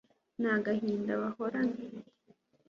ni agahinda bahorana